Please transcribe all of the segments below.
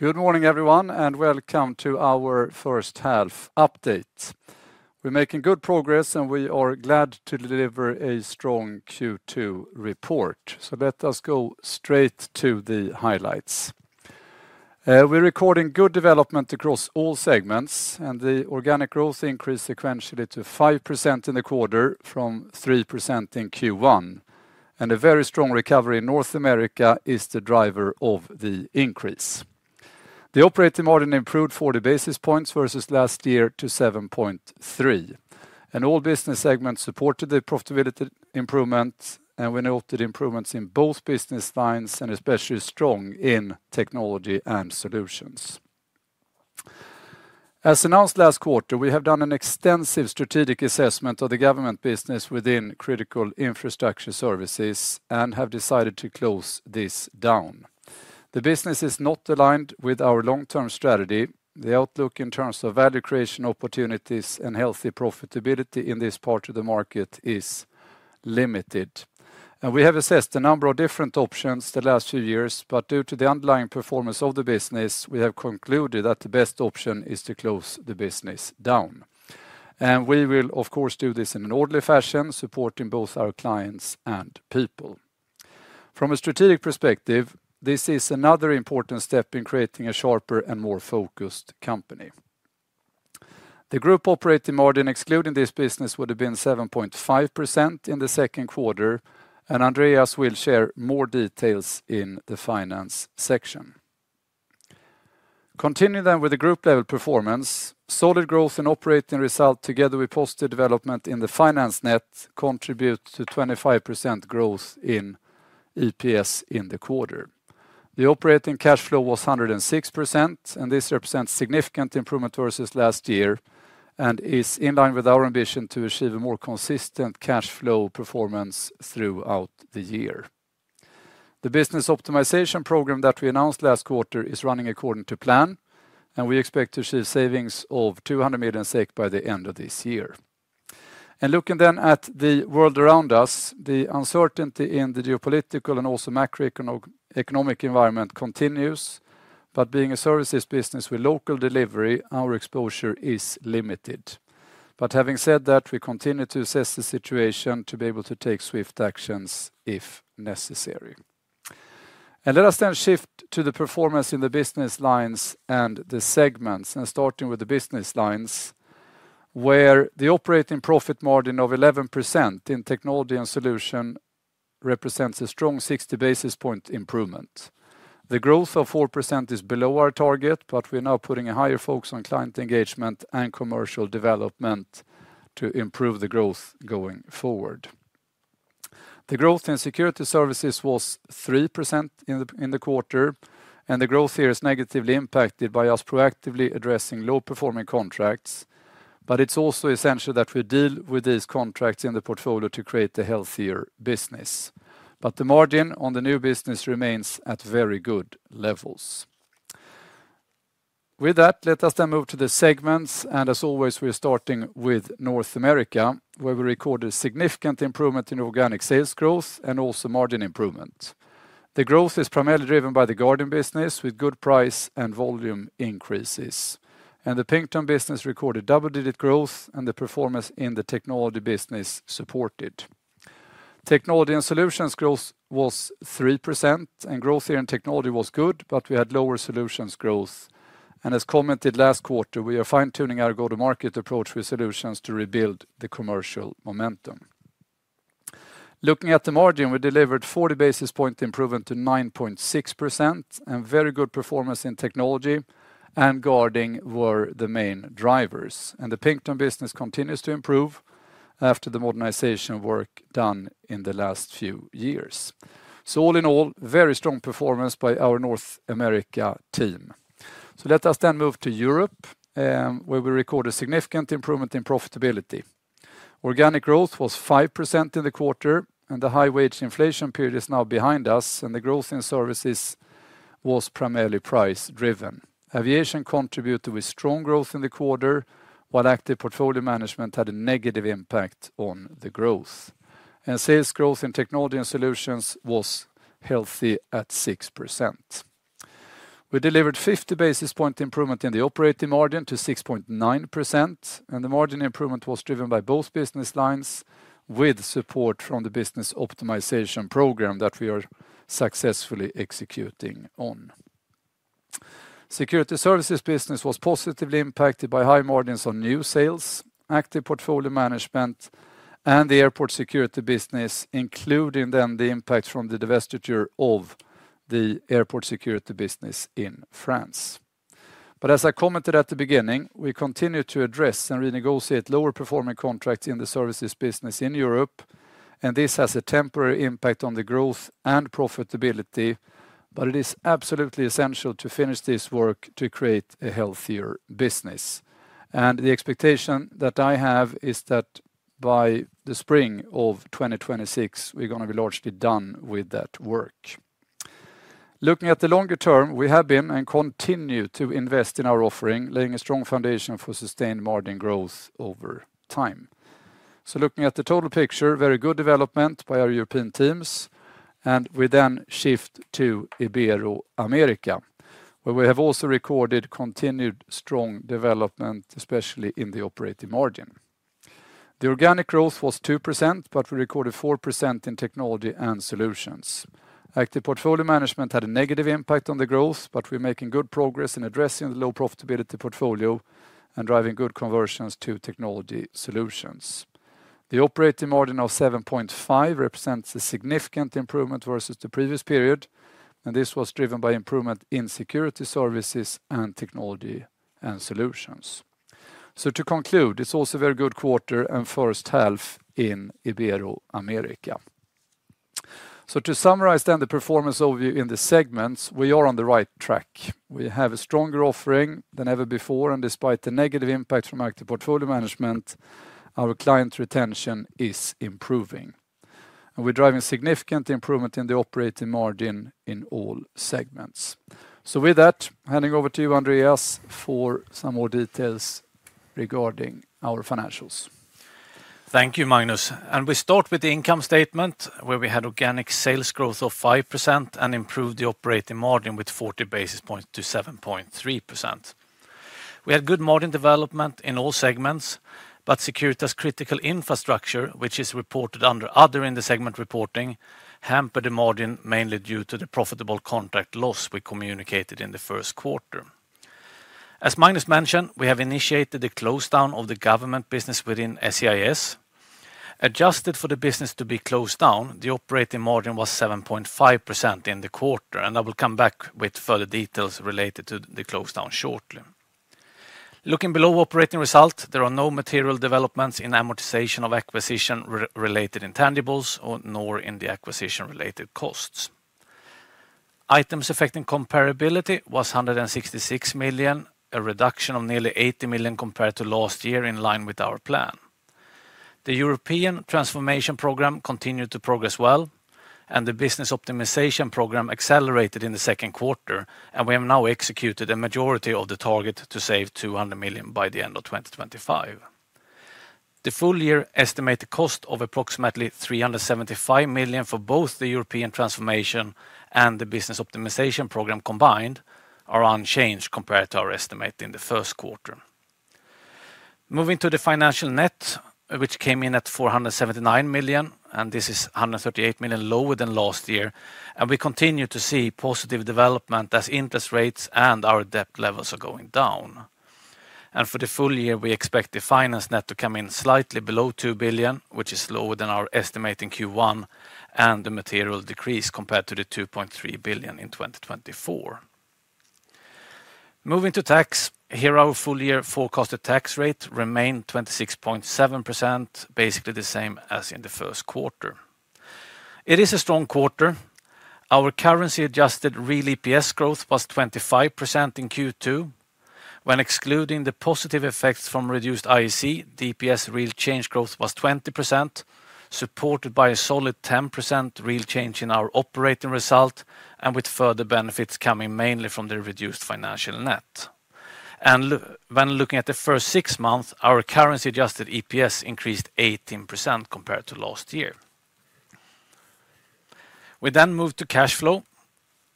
Good morning everyone and welcome to our first half update. We're making good progress and we are glad to deliver a strong Q2 report. Let us go straight to the highlights. We're recording good development across all segments and the organic growth increased sequentially to 5% in the quarter from 3% in Q1 and a very strong recovery in North America is the driver of the increase. The operating margin improved 40 basis points versus last year to 7.3% and all business segments supported the profitability improvement. We noted improvements in both business lines and especially strong in technology solutions. As announced last quarter, we have done an extensive strategic assessment of the government business within Critical Infrastructure Services and have decided to close this down. The business is not aligned with our long term strategy. The outlook in terms of value creation opportunities and healthy profitability in this part of the market is limited. We have assessed a number of different options the last few years, but due to the underlying performance of the business, we have concluded that the best option is to close the business down and we will of course do this in an orderly fashion, supporting both our clients and people. From a strategic perspective, this is another important step in creating a sharper and more focused company. The group operating margin excluding this business would have been 7.5% in the second quarter and Andreas will share more details in the finance section. Continuing then with the group level performance, solid growth in operating result together with positive development in the finance net contribute to 25% growth in EPS in the quarter. The operating cash flow was 106% and this represents significant improvement versus last year and is in line with our ambition to achieve a more consistent cash flow performance throughout the year. The business optimization program that we announced last quarter is running according to plan and we expect to see savings of $200 million by the end of this year. Looking at the world around us, the uncertainty in the geopolitical and also macroeconomic environment continues. Being a services business with local delivery, our exposure is limited. Having said that, we continue to assess the situation to be able to take swift actions if necessary. Let us then shift to the performance in the business lines and the segments, starting with the business lines where the operating profit margin of 11% in technology and solutions represents a strong 60 basis point improvement. The growth of 4% is below our target, but we're now putting a higher focus on client engagement and commercial development to improve the growth going forward. The growth in security services was 3% in the quarter and the growth here is negatively impacted by U.S. proactively addressing low performing contracts. It is also essential that we deal with these contracts in the portfolio to create a healthier business. The margin on the new business remains at very good levels. With that, let us then move to the segments. As always, we're starting with North America where we recorded significant improvement in organic sales growth and also margin improvement. The growth is primarily driven by the guarding business with good price and volume increases. The Pinkerton business recorded double digit growth and the performance in the technology business supported technology and solutions growth was 3% and growth here in technology was good, but we had lower solutions growth. As commented last quarter, we are fine tuning our go to market approach with solutions to rebuild the commercial momentum. Looking at the margin, we delivered 40 basis point improvement to 9.6% and very good performance in technology and guarding were the main drivers. The Pinkerton business continues to improve after the modernization work done in the last few years. All in all, very strong performance by our North America team. Let us then move to Europe where we record a significant improvement in profitability. Organic growth was 5% in the quarter and the high wage inflation period is now behind us. The growth in services was primarily price driven. Aviation contributed with strong growth in the quarter while active portfolio management had a negative impact on the growth and sales growth in technology and solutions was healthy at 6%. We delivered 50 basis point improvement in the operating margin to 6.9%, and the margin improvement was driven by both business lines with support from the business optimization program that we are successfully executing on. Security services business was positively impacted by high margins on new sales, active portfolio management, and the airport security business, including then the impact from the divestiture of the airport security business in France. As I commented at the beginning, we continue to address and renegotiate lower performing contracts in the services business in Europe, and this has a temporary impact on the growth and profitability. It is absolutely essential to finish this work to create a healthier business. The expectation that I have is that by the spring of 2026 we're going to be largely done with that work. Looking at the longer term, we have been and continue to invest in our offering, laying a strong foundation for sustained margin growth over time. Looking at the total picture, very good development by our European teams, and we then shift to Ibero-America where we have also recorded continued strong development, especially in the operating margin. The organic growth was 2%, but we recorded 4% in technology solutions. Active portfolio management had a negative impact on the growth, but we're making good progress in addressing the low profitability portfolio and driving good conversions to technology solutions. The operating margin of 7.5% represents a significant improvement versus the previous period, and this was driven by improvement in security services and technology solutions. To conclude, it's also very good quarter and first half in Ibero-America. To summarize the performance overview in the segments, we are on the right track. We have a stronger offering than ever before, and despite the negative impact from active portfolio management, our client retention is improving, and we're driving significant improvement in the operating margin in all segments. With that, handing over to you, Andreas, for some more details regarding our financials. Thank you Magnus. We start with the income statement where we had organic sales growth of 5% and improved the operating margin with 40 basis points to 7.3%. We had good margin development in all segments but Securitas Critical Infrastructure Services, which is reported under Other in the segment reporting, hampered the margin mainly due to the profitable contract loss we communicated in the first quarter. As Magnus mentioned, we have initiated the close down of the government business within SCIS. Adjusted for the business to be closed down, the operating margin was 7.5% in the quarter and I will come back with further details related to the close down shortly. Looking below operating result, there are no material developments in amortization of acquisition-related intangibles nor in the acquisition-related costs. Items affecting comparability was $166 million, a reduction of nearly $80 million compared to last year. In line with our plan, the European Transformation program continued to progress well and the business optimization program accelerated in the second quarter and we have now executed a majority of the target to save $200 million by the end of 2025. The full year estimated cost of approximately $375 million for both the European Transformation and the business optimization program combined are unchanged compared to our estimate in the first quarter. Moving to the financial net which came in at $479 million and this is $138 million lower than last year and we continue to see positive development as interest rates and our debt levels are going down. For the full year we expect the finance net to come in slightly below $2 billion which is lower than our estimate in Q1 and a material decrease compared to the $2.3 billion in 2024. Moving to tax here, our full year forecasted tax rate remained 26.7%, basically the same as in the first quarter. It is a strong quarter. Our currency adjusted real EPS growth was 25% in Q2. When excluding the positive effects from reduced IEC DPS, real change growth was 20% supported by a solid 10% real change in our operating result and with further benefits coming mainly from the reduced financial net. When looking at the first six months, our currency adjusted EPS increased 18% compared to last year. We then moved to cash flow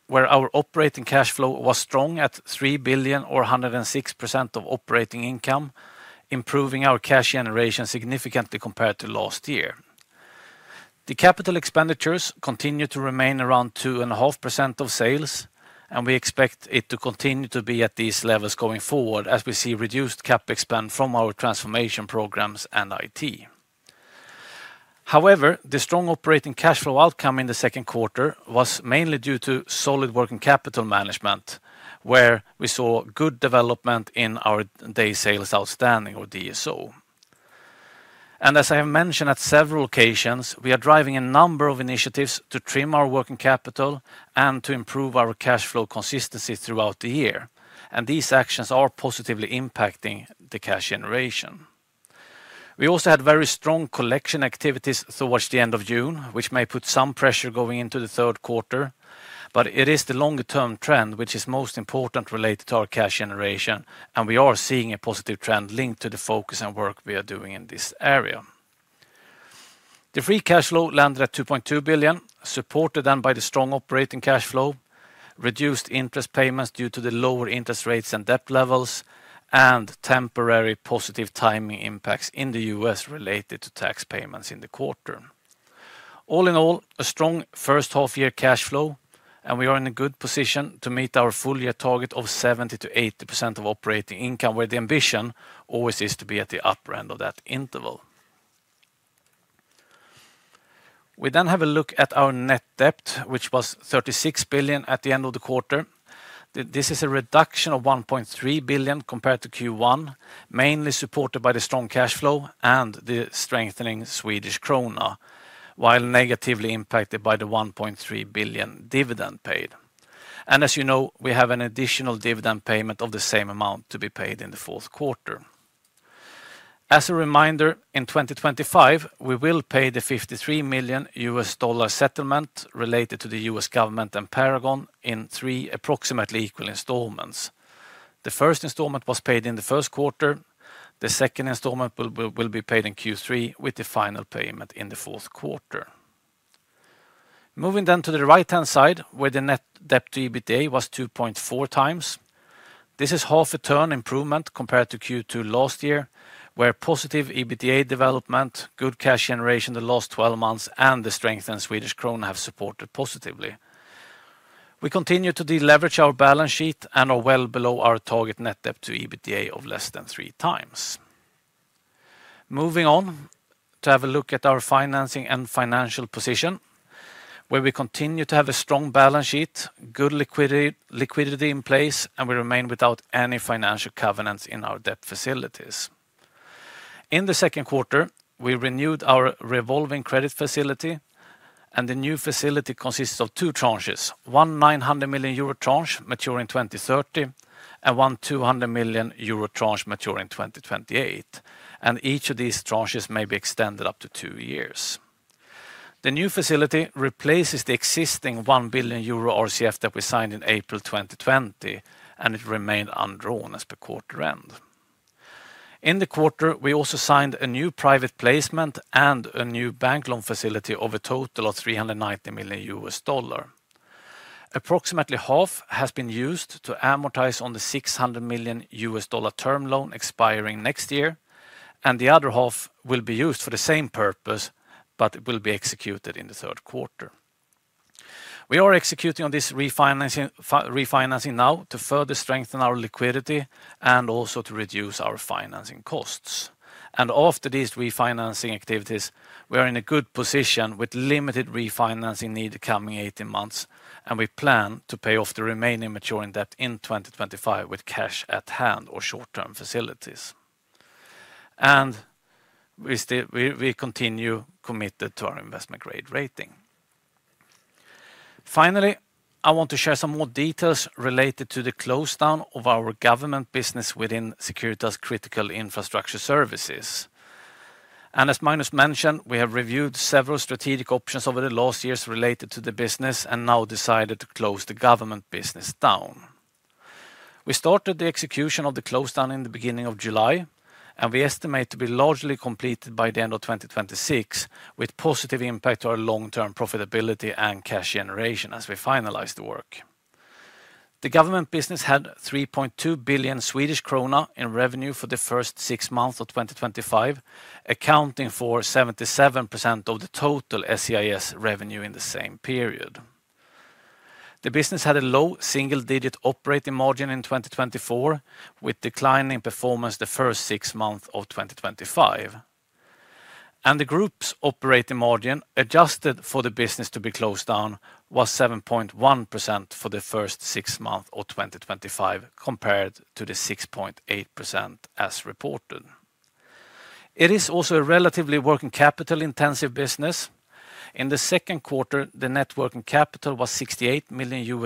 where our operating cash flow was strong at $3 billion or 106% of operating income, improving our cash generation significantly compared to last year. The capital expenditures continue to remain around 2.5% of sales, and we expect it to continue to be at these levels going forward as we see reduced capital expenditure spend from our transformation programs and IT. However, the strong operating cash flow outcome in the second quarter was mainly due to solid working capital management, where we saw good development in our Day Sales Outstanding, or DSO, and as I have mentioned at several occasions, we are driving a number of initiatives to trim our working capital and to improve our cash flow consistency throughout the year, and these actions are positively impacting the cash generation. We also had very strong collection activities towards the end of June, which may put some pressure going into the third quarter. It is the longer term trend which is most important related to our cash generation, and we are seeing a positive trend linked to the focus and work we are doing in this area. The free cash flow landed at 2.2 billion, supported then by the strong operating cash flow, reduced interest payments due to the lower interest rates and debt levels, and temporary positive timing impacts in the U.S. related to tax payments in the quarter. All in all, a strong first half year cash flow, and we are in a good position to meet our full year target of 70%-80% of operating income, where the ambition always is to be at the upper end of that interval. We then have a look at our net debt, which was 36 billion at the end of the quarter. This is a reduction of 1.3 billion compared to Q1, mainly supported by the strong cash flow and the strengthening Swedish krona, while negatively impacted by the 1.3 billion dividend paid, and as you know, we have an additional dividend payment of the same amount to be paid in the fourth quarter. As a reminder, in 2025 we will pay the $53 million settlement related to the U.S. government and Paragon in approximately three equal installments. The first installment was paid in the first quarter. The second installment will be paid in Q3, with the final payment in the fourth quarter. Moving then to the right hand side, where the net debt to EBITDA was 2.4x. This is half a turn improvement compared to Q2 last year, where positive EBITDA development, good cash generation the last 12 months, and the strength in Swedish krona have supported positively. We continue to deleverage our balance sheet and are well below our target net debt to EBITDA of less than three times. Moving on to have a look at our financing and financial position, where we continue to have a strong balance sheet, good liquidity in place, and we remain without any financial covenants in our debt facilities. In the second quarter, we renewed our revolving credit facility, and the new facility consists of two tranches: one 900 million euro tranche maturing in 2030 and one 200 million euro tranche maturing in 2028, and each of these tranches may be extended up to two years. The new facility replaces the existing 1 billion euro RCF that we signed in April 2020, and it remained undrawn as per quarter end. In the quarter, we also signed a new private placement and a new bank loan facility of a total of $390 million. Approximately half has been used to amortize on the $600 million U.S. dollar term loan expiring next year, and the other half will be used for the same purpose but will be executed in the third quarter. We are executing on this refinancing now to further strengthen our liquidity and also to reduce our financing costs. After these refinancing activities, we are in a good position with limited refinancing need the coming 18 months, and we plan to pay off the remaining maturing debt in 2025 with cash at hand or short-term facilities, and we continue committed to our investment grade rating. Finally, I want to share some more details related to the close down of our government business within Securitas Critical Infrastructure Services, and as Magnus mentioned, we have reviewed several strategic options over the last years related to the business and now decided to close the government business down. We started the execution of the close down in the beginning of July, and we estimate to be largely completed by the end of 2026 with positive impact to our long-term profitability and cash generation as we finalize the work. The government business had $3.2 billion in revenue for the first six months of 2025, accounting for 77% of the total SCIS revenue in the same period. The business had a low single-digit operating margin in 2024 with declining performance the first six months of 2025, and the Group's operating margin adjusted for the business to be closed down was 7.1% for the first six months of 2025 compared to the 6.8% as reported. It is also a relatively working capital intensive business. In the second quarter, the net working capital was $68 million,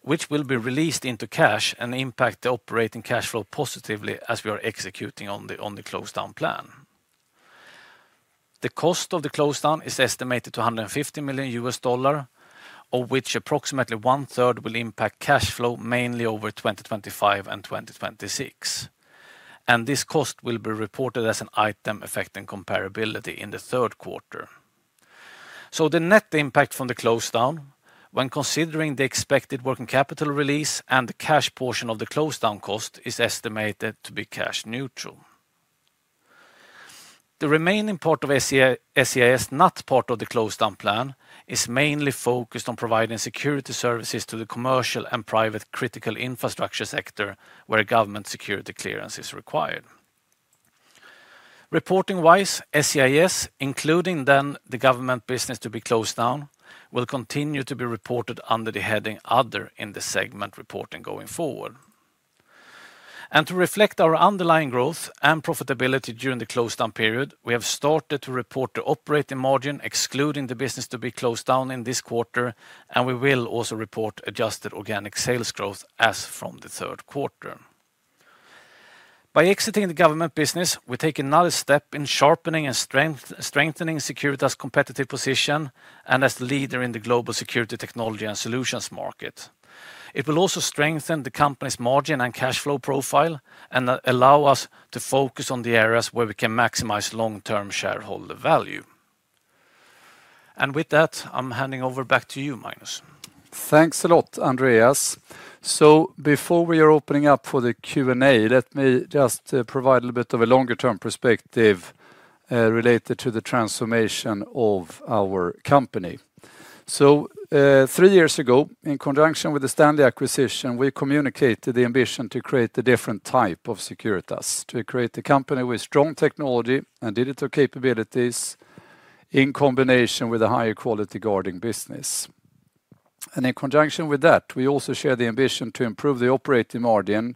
which will be released into cash and impact the operating cash flow positively. As we are executing on the close down plan, the cost of the close down is estimated to $150 million, of which approximately 1/3 will impact cash flow mainly over 2025, and this cost will be reported as an item affecting comparability in the third quarter. The net impact from the close down, when considering the expected working capital release and the cash portion of the close down cost, is estimated to be cash neutral. The remaining part of SCIS, not part of the close down plan, is mainly focused on providing security services to the commercial and private critical infrastructure sector where a government security clearance is required. Reporting wise, SCIS, including the government business to be closed down, will continue to be reported under the heading Other in the segment reporting going forward. To reflect our underlying growth and profitability during the close down period, we have started to report the operating margin excluding the business to be closed down in this quarter, and we will also report adjusted organic sales growth as from the third quarter. By exiting the government business, we take another step in sharpening and strengthening Securitas' competitive position. As the leader in the global security technology and solutions market, it will also strengthen the company's margin and cash flow profile and allow us to focus on the areas where we can maximize long-term shareholder value. With that, I'm handing over back. Thank you very much, Andreas. Before we open up for the Q and A, let me just provide a little bit of a longer-term perspective related to the transformation of our company. Three years ago, in conjunction with the Stanley acquisition, we communicated the ambition to create a different type of Securitas, to create a company with strong technology and digital capabilities in combination with a higher quality guarding business. In conjunction with that, we also shared the ambition to improve the operating margin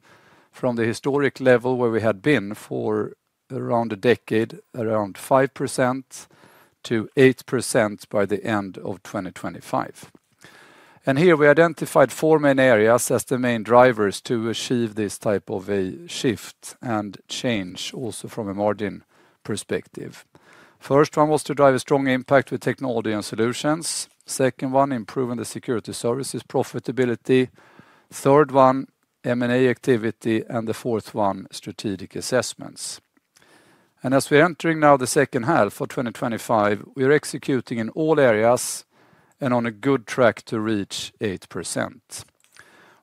from the historic level where we had been for around a decade, around 5%-8% by the end of 2025. Here we identified four main areas as the main drivers to achieve this type of shift and change also from a margin perspective. The first one was to drive a strong impact with technology and solutions. The second one was improving the security services profitability. The third one was M&A activity, and the fourth one was strategic assessments. As we're entering now the second half of 2025, we are executing in all areas and on a good track to reach 8%.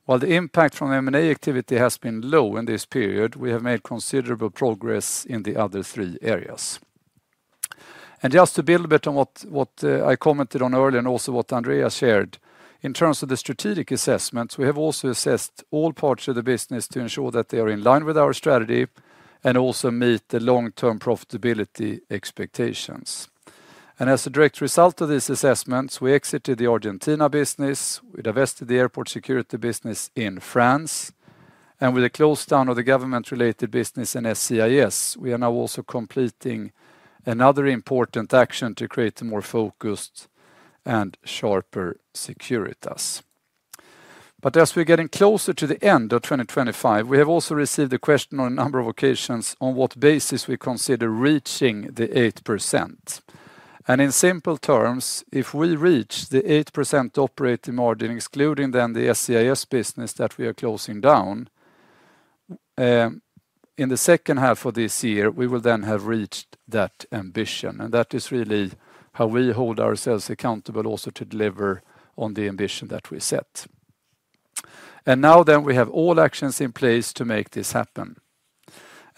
While the impact from M&A activity has been low in this period, we have made considerable progress in the other three areas. Just to build a bit on what I commented on earlier and also what Andreas shared in terms of the strategic assessments, we have also assessed all parts of the business to ensure that they are in line with our strategy and also meet the long-term profitability expectations. As a direct result of these assessments, we exited the Argentina business, we divested the airport security business in France, and with the close down of the government-related business in SCIS, we are now also completing another important action to create a more focused and sharper Securitas. As we're getting closer to the end of 2025, we have also received a question on a number of occasions on what basis we consider reaching the 8%. In simple terms, if we reach the 8% operating margin, excluding then the SCIS business that we are closing down in the second half of this year, we will then have reached that ambition and that is really how we hold ourselves accountable also to deliver on the ambition that we set. Now we have all actions in place to make this happen.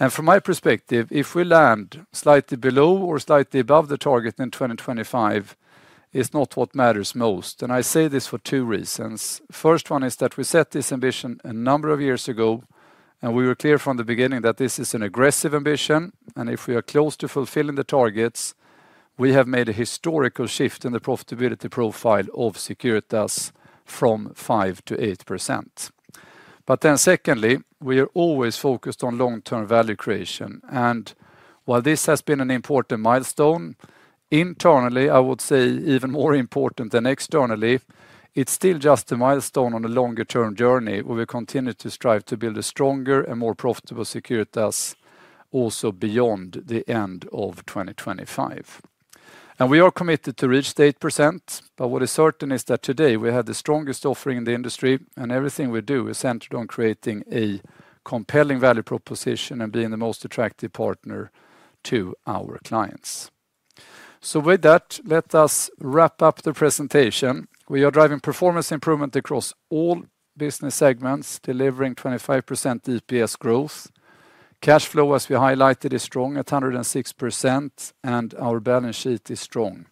From my perspective, if we land slightly below or slightly above the target in 2025, it's not what matters most. I say this for two reasons. First, one is that we set this ambition a number of years ago and we were clear from the beginning that this is an aggressive ambition. If we are close to fulfilling the targets, we have made a historical shift in the profitability profile of Securitas from 5%-8%. Secondly, we are always focused on long-term value creation. While this has been an important milestone internally, I would say even more important than externally is it's still just a milestone on a longer-term journey. We will continue to strive to build a stronger and more profitable Securitas also beyond the end of 2025 and we are committed to reach 8%. What is certain is that today we have the strongest offering in the industry and everything we do is centered on creating a compelling value proposition and being the most attractive partner to our clients. With that, let us wrap up the presentation. We are driving performance improvement across all business segments, delivering 25% EPS growth. Cash flow, as we highlighted, is strong at 106% and our balance sheet is strong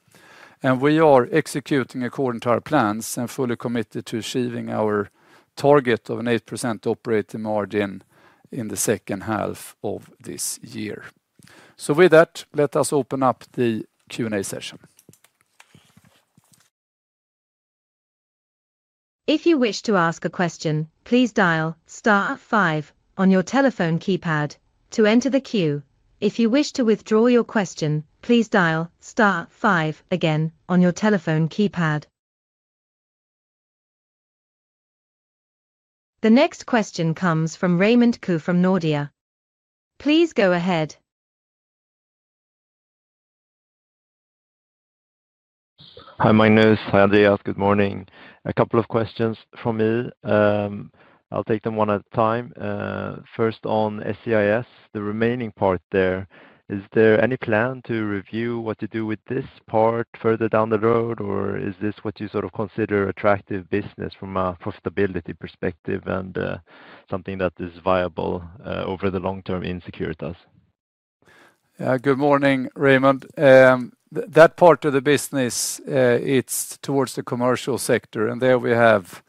and we are executing according to our plans and fully committed to achieving our target of an 8% operating margin in the second half of this year. With that, let us open up the Q and A session. If you wish to ask a question, please dial 5 on your telephone keypad to enter the queue. If you wish to withdraw your question, please dial 5 again on your telephone keypad. The next question comes from Raymond Ke from Nordea. Please go ahead. Hi, my name is. Good morning, a couple of questions from il. I'll take them one at a time. First on SCIS, the remaining part there, is there any plan to review what to do with this part further down the road, or is this what you sort of consider attractive business from a profitability perspective and something that is viable over the long term in Securitas. Good morning, Raymond. That part of the business is towards the commercial sector, and there we have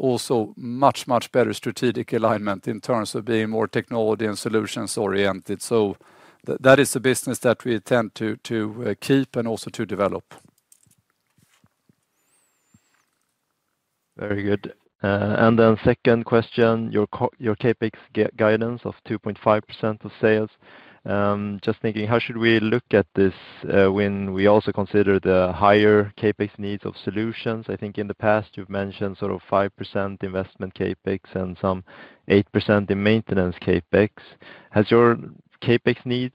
also much, much better strategic alignment in terms of being more technology and solutions oriented. That is the business that we intend to keep and also to develop. Very good. The second question, your CapEx guidance of 2.5% of sales. Just thinking, how should we look at this when we also consider the higher CapEx needs of solutions? I think in the past you've mentioned sort of 5% investment CapEx and some 8% in maintenance CapEx. Has your CapEx needs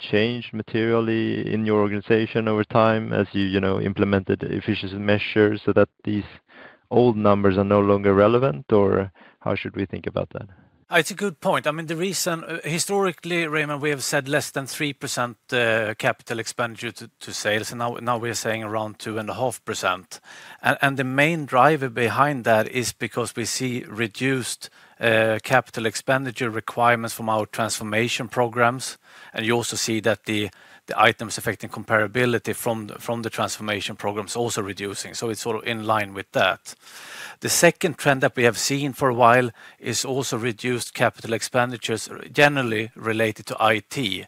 changed materially in your organization over time as you implemented efficiency measures so that these old numbers are no longer relevant, or how should we think about that? It's a good point. I mean the reason historically, Raymond, we have said less than 3% capital expenditure to sales and now we're saying around 2.5%. The main driver behind that is because we see reduced capital expenditure requirements from our transformation programs, and you also see that the items affecting comparability from the transformation programs are also reducing. It's sort of in line with that. The second trend that we have seen for a while is also reduced capital expenditures generally related to IT.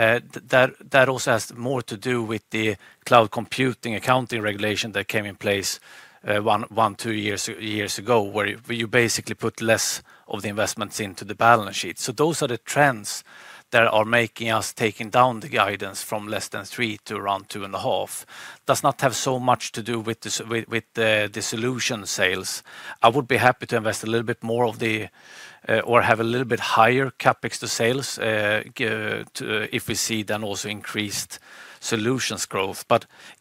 That also has more to do with the cloud computing accounting regulation that came in place 12 years ago, where you basically put less of the investments into the balance sheet. Those are the trends that are making us take down the guidance from less than 3% to around 2.5%. It does not have so much to do with the solution sales. I would be happy to invest a little bit more or have a little bit higher CapEx to sales if we see then also increased solutions growth.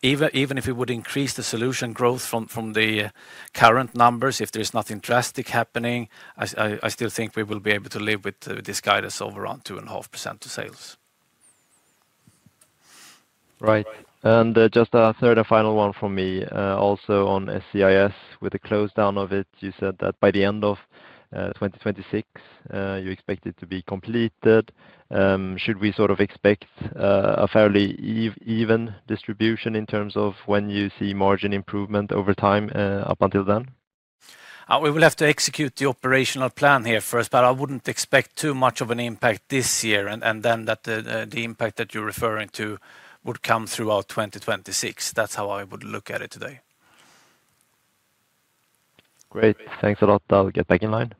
Even if it would increase the solution growth from the current numbers, if there's nothing drastic happening, I still think we will be able to live with this guidance of around 2.5% to sales. Right. Just a third and final one for me, also on SCIS. With the close down of it, you said that by the end of 2026 you expect it to be completed. Should we sort of expect a fairly even distribution in terms of when you see margin improvement over time up until. We will have to execute the operational plan here first. I wouldn't expect too much of an impact this year, and the impact that you're referring to would come throughout 2026. That's how I would look at it today. Great, thanks a lot. I'll get back in line.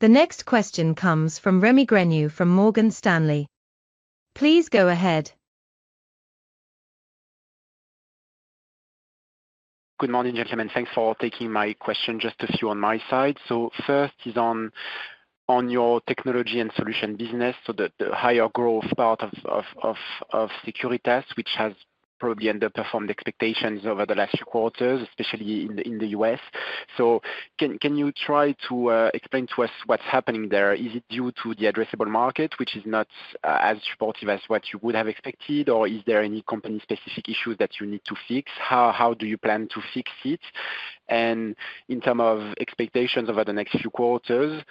The next question comes from Remi Grenu from Morgan Stanley. Please go ahead. Good morning gentlemen. Thanks for taking my question. Just a few on my side. First is on your technology and solution business, the higher growth part of Securitas, which has probably underperformed expectations over the last few quarters, especially in the U.S. Can you try to explain to us what's happening there? Is it due to the addressable market, which is not as supportive as what you would have expected, or is there any company specific issues that you need to fix? How do you plan to fix it? In terms of expectations over the next few quarters,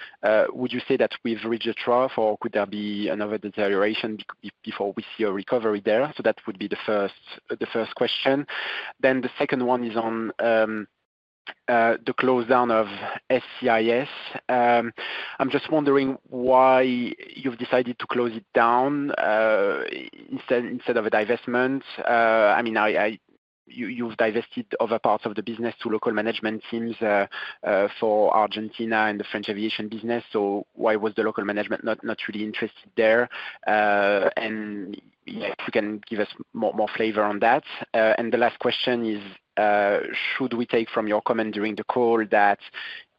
would you say that we've reached a trough or could there be another deterioration before we see a recovery there? That would be the first question. The second one is on the close down of SCIS. I'm just wondering why you've decided to close it down instead of a divestment. I mean, you've divested other parts of the business to local management teams for Argentina and the French aviation business. Why was the local management not really interested there? If you can give us more flavor on that. The last question is, should we take from your comment during the call that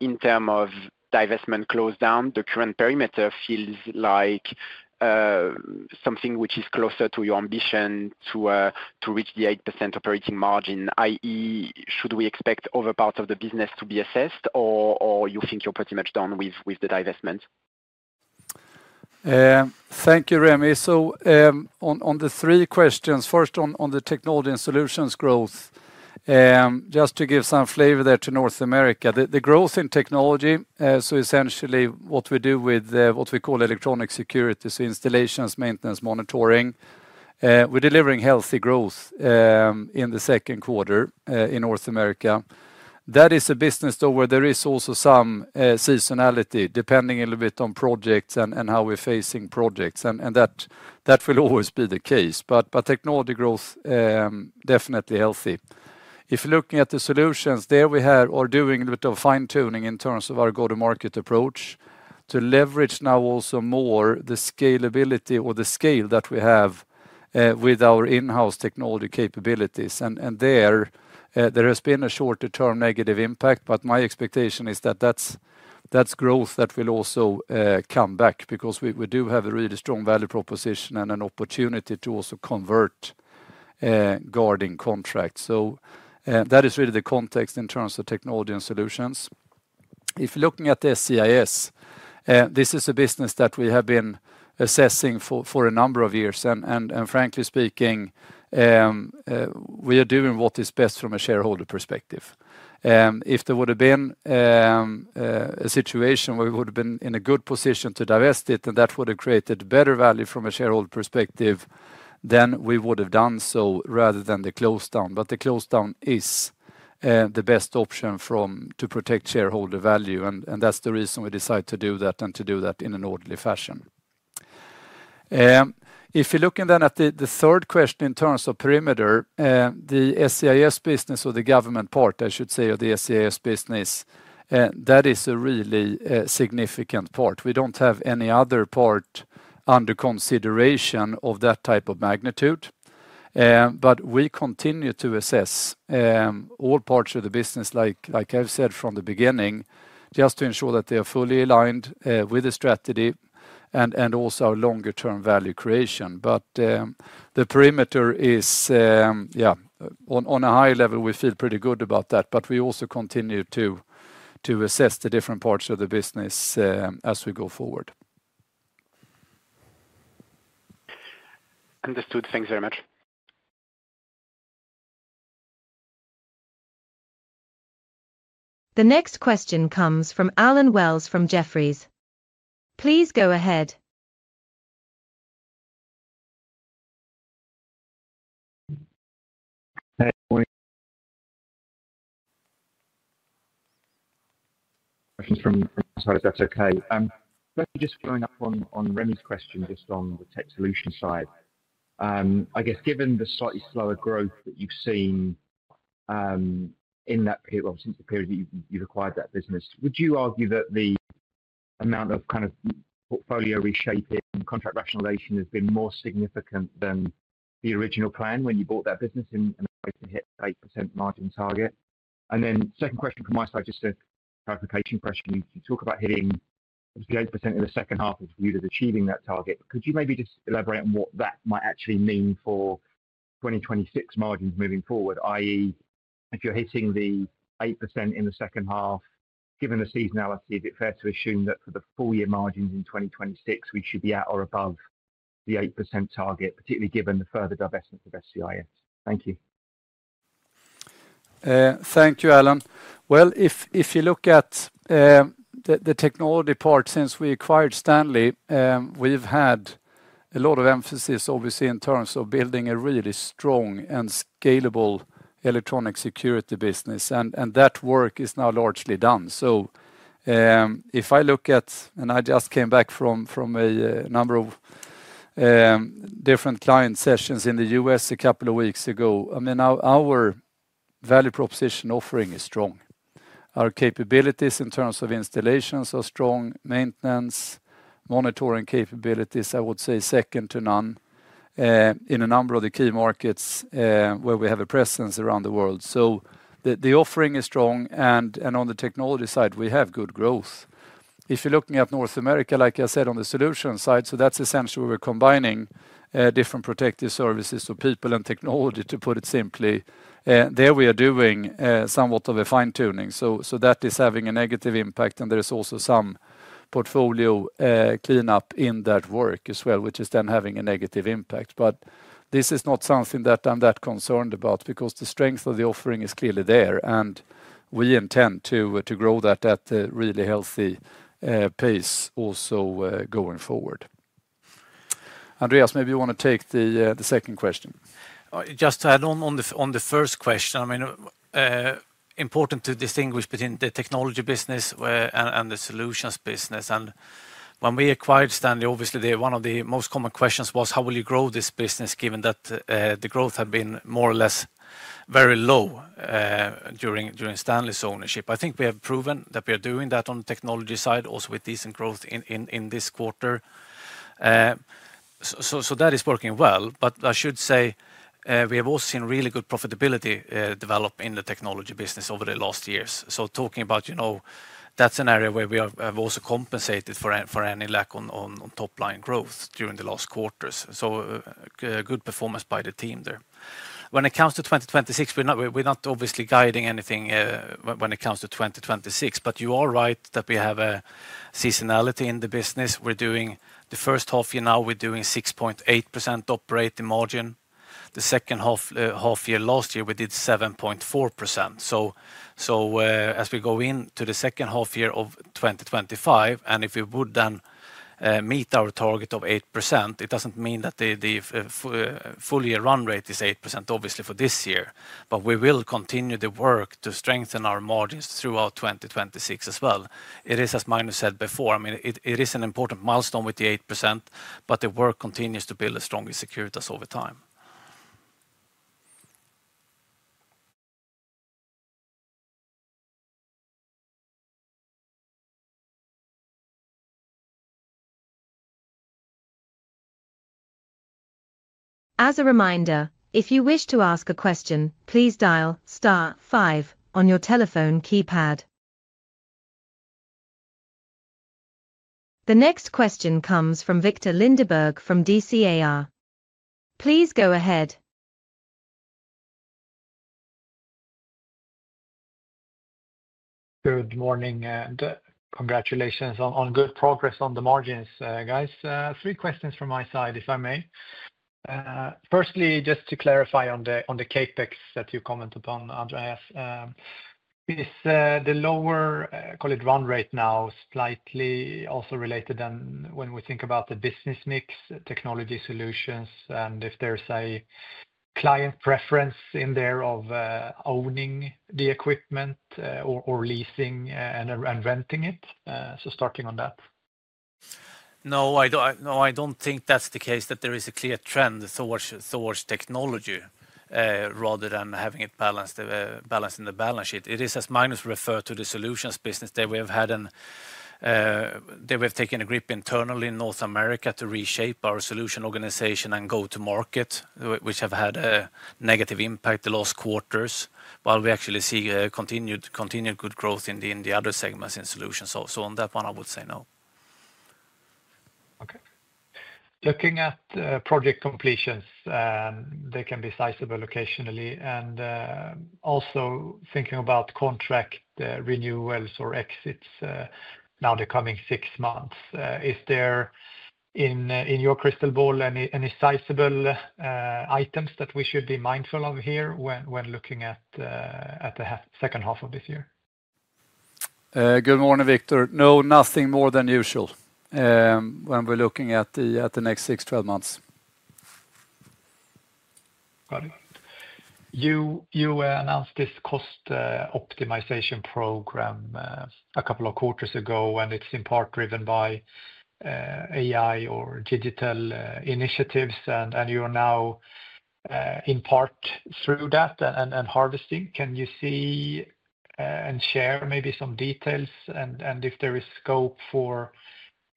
in terms of divestment, close down, the current perimeter feels like something which is closer to your ambition to reach the 8% operating margin? That is, should we expect other parts of the business to be assessed or you think you're pretty much done with the divestment? Thank you, Remi. On the three questions, first on the technology and solutions growth, just to give some flavor there to North America, the growth in technology. Essentially what we do with what we call electronic security, so installations, maintenance, monitoring, we're delivering healthy growth in the second quarter in North America. That is a business, though, where there is also some seasonality, depending a little bit on projects and how we're facing projects. That will always be the case. Technology growth is definitely healthy. If looking at the solutions there, we are doing a bit of fine tuning in terms of our go to market approach to leverage now also more the scalability or the scale that we have with our in-house technology capabilities. There has been a shorter term negative impact. My expectation is that that's growth that will also come back because we do have a really strong value proposition and an opportunity to also convert guarding contracts. That is really the context in terms of technology and solutions. If looking at the SCIS, this is a business that we have been assessing for a number of years and, frankly speaking, we are doing what is best from a shareholder perspective. If there would have been a situation where we would have been in a good position to divest it and that would have created better value from a shareholder perspective, then we would have done so rather than the close down. The close down is the best option to protect shareholder value and that's the reason we decided to do that and to do that in an orderly fashion. If you're looking then at the third question in terms of perimeter, the SCIS business or the government part, I should say, of the SCIS business, and that is a really significant part. We don't have any other part under consideration of that type of magnitude, but we continue to assess all parts of the business, like I've said from the beginning, just to ensure that they are fully aligned with the strategy and also longer term value creation. The perimeter is on a high level. We feel pretty good about that. We also continue to assess the different parts of the business as we go forward. Understood. Thanks very much. The next question comes from Allen Wells from Jefferies. Please go ahead. That's okay. Just following up on Remi Grenu's question. Just on the technology solutions side, I guess given the slightly slower growth that you've seen in that period since the period you've acquired that business, would you argue that the amount of kind of portfolio reshaping contract rationalization has been more significant than the original plan when you bought that business in 8% margin target. My second question, just a clarification question. You talk about hitting 8% in the second half is viewed as achieving that target. Could you maybe just elaborate on what that might actually mean for 2026 margins moving forward? That is, if you're hitting the 8% in the second half, given the seasonality, is it fair to assume that for the full year margins in 2026 we should be at or above the 8% target, particularly given the further divestment of SCIS? Thank you. Thank you, Allen. If you look at the technology part, since we acquired Stanley, we've had a lot of emphasis obviously in terms of building a really strong and scalable electronic security business. That work is now largely done. If I look at, and I just came back from a number of different client sessions in the U.S. a couple of weeks ago, our value proposition offering is strong. Our capabilities in terms of installations are strong. Maintenance and monitoring capabilities, I would say, are second to none in a number of the key markets where we have a presence around the world. The offering is strong and on the technology side we have good growth. If you're looking at North America, like I said, on the solution side, that's essentially where we're combining different protective services, so people and technology, to put it simply. There we are doing somewhat of a fine tuning. That is having a negative impact. There is also some portfolio cleanup in that work as well, which is then having a negative impact. This is not something that I'm that concerned about because the strength of the offering is clearly there and we intend to grow that at a really healthy pace also going forward. Andreas, maybe you want to take the. Second question just to add on the first question, I mean, important to distinguish between the technology business and the solutions business. When we acquired Stanley, obviously one of the most common questions was how will you grow this business given that the growth had been more or less very low during Stanley's ownership. I think we have proven that we are doing that on the technology side also with decent growth in this quarter. That is working well. I should say we have also seen really good profitability develop in the technology business over the last years. Talking about, you know, that's an area where we have also compensated for any lack on top line growth during the last quarters. Good performance by the team there when it comes to 2026. We're not obviously guiding anything when it comes to 2026, but you are right that we have a seasonality in the business. We're doing the first half year now we're doing 6.8% operating margin the second half year. Last year we did 7.4%. As we go in to the second half year of 2025 and if we would then meet our target of 8%, it doesn't mean that the full year run rate is 8% obviously for this year, but we will continue the work to strengthen our margins throughout 2026 as well. It is as Magnus said before, I mean, it is an important milestone with the 8% but the work continues to build a stronger Securitas over time. As a reminder, if you wish to ask a question, please dial five on your telephone keypad. The next question comes from Viktor Lindeberg from DNB. Please go ahead. Good morning and congratulations on good progress on the margins guys, three questions from my side if I may. Firstly, just to clarify on the CapEx that you comment upon Andreas, is the lower, call it, run rate now slightly also related than when we think about the business mix technology solutions and if there's a client preference in there of owning the equipment or leasing and renting it. Starting on that. No, I don't think that's the case that there is a clear trend towards technology rather than having it balanced in the balance sheet. It is as Magnus referred to the solutions business that we have had. We have taken a grip internally in North America to reshape our solutions organization and go to market, which have had a negative impact the last quarters while we actually see continued good growth in the other segments in solutions. On that one I would say no. Okay, looking at project completions, they can be sizable locationally and also thinking about contract renewals or exits now the coming six months. Is there in your crystal ball any sizable items that we should be mindful of here when looking at the second half of this year? Good morning Viktor. No, nothing more than usual when we're looking at the next 6-12 months. You announced this cost optimization program a couple of quarters ago, and it's in part driven by AI or digital initiatives. You are now in part through that and harvesting. Can you see and share maybe some details, and if there is scope for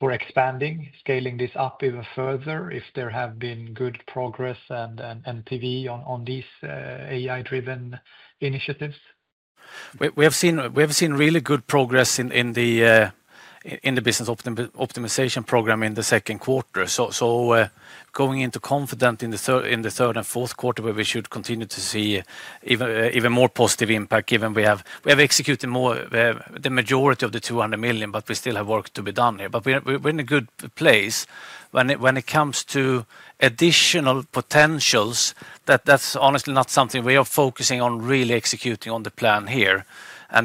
expanding, scaling this up even further, if there has been good progress and NPV on these AI driven initiatives? Have seen really good progress in the business optimization program in the second quarter. Going into confident in the third and fourth quarter where we should continue to see even more positive impact given we have executed more the majority of the $200 million. We still have work to be done here. We're in a good place when it comes to additional potentials. That's honestly not something we are focusing on, really executing on the plan here.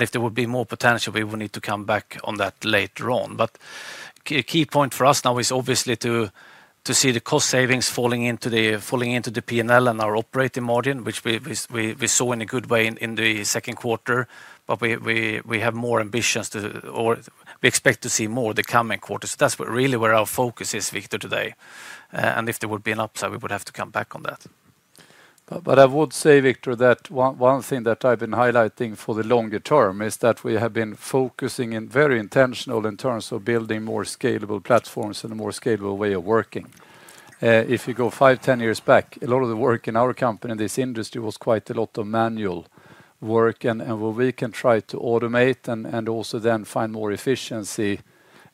If there would be more potential we will need to come back on that later on. A key point for us now is obviously to see the cost savings falling into the P&L and our operating margin, which we saw in a good way in the second quarter. We have more ambitions or we expect to see more the coming quarters, that's really where our focus is, Viktor, today. If there would be an upside, we would have to come back on that. I would say, Viktor, that one thing that I've been highlighting for the longer term is that we have been focusing very intentionally in terms of building more scalable platforms and a more scalable way of working. If you go five, 10 years back, a lot of the work in our company in this industry was quite a lot of manual work where we can try to automate and also then find more efficiency.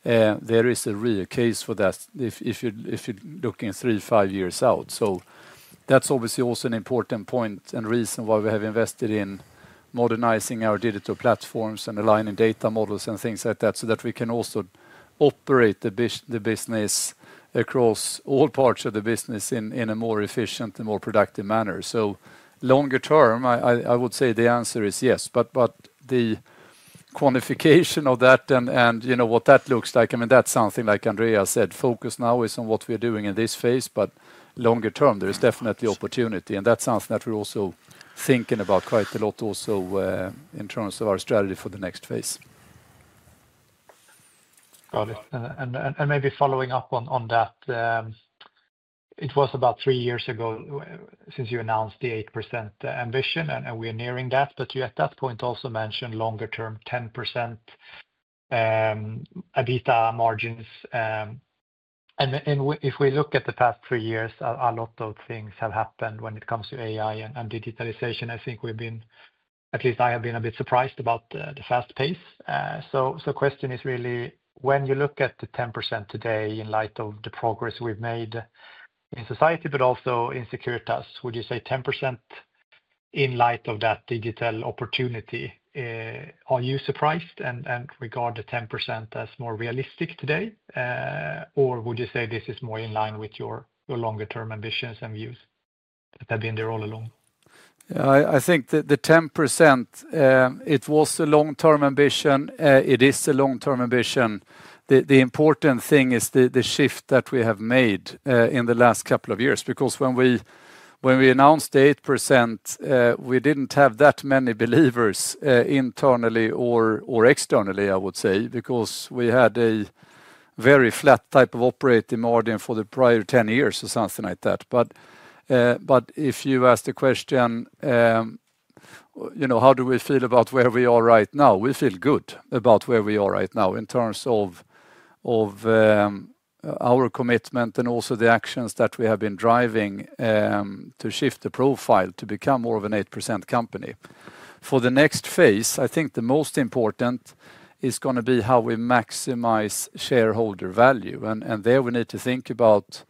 There is a real case for that if you look in three, five years out. That's obviously also an important point and reason why we have invested in modernizing our digital platforms and aligning data models and things like that so that we can also operate the business across all parts of the business in a more efficient and more productive manner. Longer term, I would say the answer is yes. The quantification of that and what that looks like, I mean that's something like Andreas said, focus now is on what we're doing in this phase. Longer term there is definitely opportunity and that's something that we're also thinking about quite a lot also in terms of our strategy for the next phase. Got it. Maybe following up on that, it was about three years ago since you announced the 8% ambition and we are nearing that. At that point, you also mentioned longer term 10% EBITDA margins. If we look at the past three years, a lot of things have happened when it comes to AI and digitalization. I think we've been, at least I have been, a bit surprised about the fast pace. The question is really when you look at the 10% today in light of the progress we've made in society, but also in Securitas, would you say 10% in light of that digital opportunity, are you surprised and regard the 10% as more realistic today? Would you say this is more in line with your longer term ambitions and views that have been there all along? I think the 10% was a long-term ambition. It is a long-term ambition. The important thing is the shift that we have made in the last couple of years because when we announced 8%, we didn't have that many believers internally or externally, I would say, because we had a very flat type of operating margin for the prior 10 years or something like that. If you ask the question, how do we feel about where we are right now? We feel good about where we are right now in terms of our commitment and also the actions that we have been driving to shift the profile to become more of an 8% company. For the next phase, I think the most important is going to be how we maximize shareholder value. We need to think about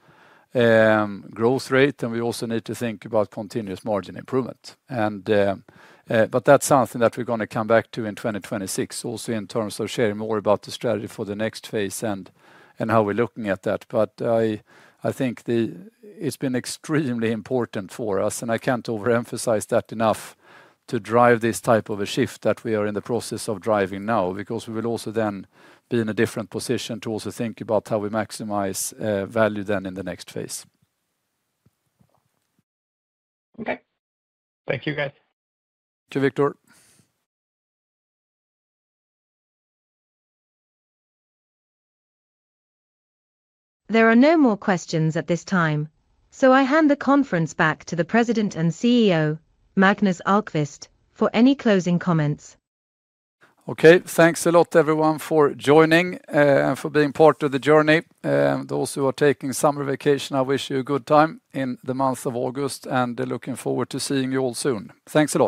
growth rate and we also need to think about continuous margin improvement. That's something that we're going to come back to in 2026, also in terms of sharing more about the strategy for the next phase and how we're looking at that. I think it's been extremely important for us, and I can't overemphasize that enough, to drive this type of a shift that we are in the process of driving now, because we will also then be in a different position to also think about how we maximize value then in the next phase. Okay, thank you guys. Victor. There are no more questions at this time, so I hand the conference back to the President and CEO, Magnus Ahlqvist, for any closing comments. Okay, thanks a lot everyone for joining and for being part of the journey. Those who are taking summer vacation, I wish you a good time in the month of August and looking forward to seeing you all soon. Thanks a lot.